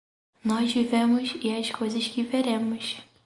Nós vivemos e as coisas que veremos.